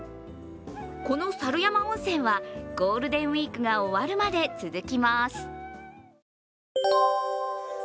このサル山温泉はゴールデンウイークが終わるまで続きます。